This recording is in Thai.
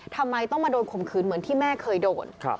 ทำไมต้องมาโดนข่มขืนเหมือนที่แม่เคยโดน